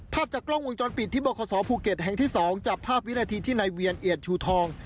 ภาพจากกล้องวงจรปิดที่บขภูเก็ตแห่งที่๒จับภาพวินาทีที่นายเวียนเอียดชูทอง